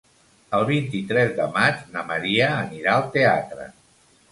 El vint-i-tres de maig na Maria anirà al teatre.